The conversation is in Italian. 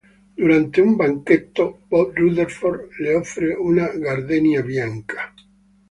Durante un banchetto, Bob Rutherford le offre una gardenia bianca.